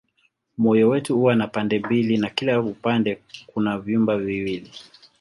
Moyo wetu huwa na pande mbili na kila upande kuna vyumba viwili.